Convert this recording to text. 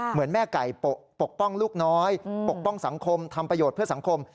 เหมือนแม่ไก่ปกป้องลูกน้อยปกป้องสังคมทำประโยชน์เพื่อสังคม